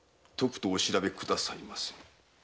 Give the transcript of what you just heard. とくとお調べくださいませ」